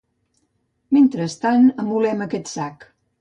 Mentrestant amolem aquest sac.